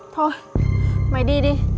thôi mày đi đi